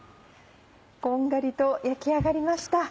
こんがりと焼き上がりました。